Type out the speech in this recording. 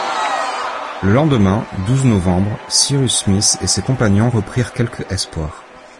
Le lendemain, douze novembre, Cyrus Smith et ses compagnons reprirent quelque espoir